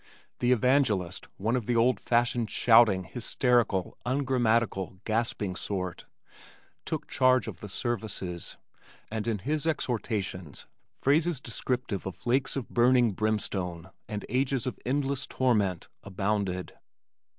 The evangelist, one of the old fashioned shouting, hysterical, ungrammatical, gasping sort, took charge of the services, and in his exhortations phrases descriptive of lakes of burning brimstone and ages of endless torment abounded.